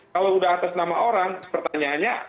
kalau sudah atas nama orang pertanyaannya